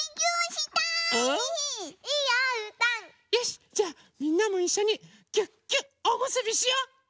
よしじゃあみんなもいっしょにぎゅっぎゅっおむすびしよう！